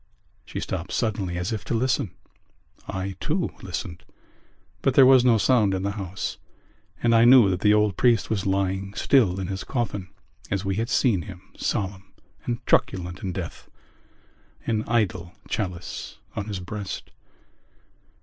She stopped suddenly as if to listen. I too listened; but there was no sound in the house: and I knew that the old priest was lying still in his coffin as we had seen him, solemn and truculent in death, an idle chalice on his breast.